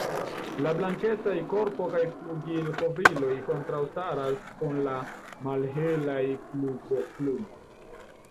La blankecaj korpo kaj flugilkovriloj kontrastas kun la malhelaj flugoplumoj.